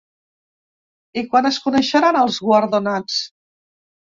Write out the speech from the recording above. I quan es coneixeran els guardonats?